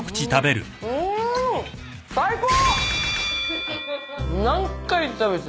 うん！最高！